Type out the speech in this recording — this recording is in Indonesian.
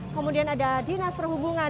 kemudian ada dinas perhubungan